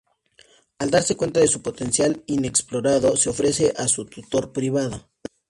Al darse cuenta de su potencial inexplorado, se ofrece a su tutor privado.